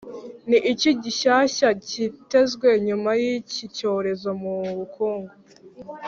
ni iki gishyashya kitezwe nyuma y’iki cyorezo mu bukungu?